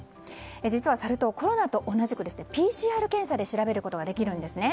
実はサル痘、コロナと同じくＰＣＲ検査で調べることができるんですね。